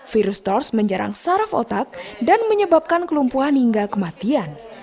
virus tors menjerang saraf otak dan menyebabkan kelumpuhan hingga kematian